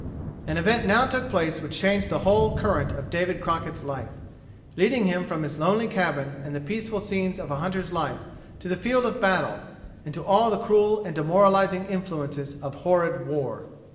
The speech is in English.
An event now took place which changed the whole current of David Crockett's life, leading him from his lonely cabin and the peaceful scenes of a hunter's life to the field of battle, and to all the cruel and demoralizing influences of horrid war.